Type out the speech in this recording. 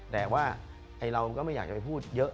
แต่ว่าเราก็ไม่อยากจะไปพูดเยอะ